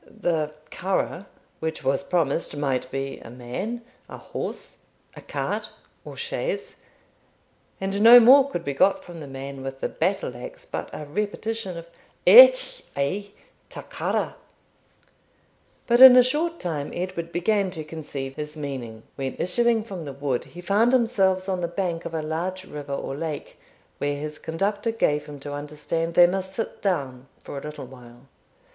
The curragh which was promised might be a man, a horse, a cart, or chaise; and no more could be got from the man with the battle axe but a repetition of 'Aich ay! ta curragh.' But in a short time Edward began to conceive his meaning, when, issuing from the wood, he found himself on the banks of a large river or lake, where his conductor gave him to understand they must sit down for a little while.